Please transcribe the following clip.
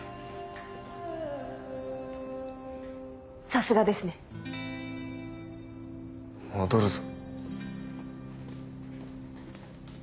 さすがですね。戻るぞ。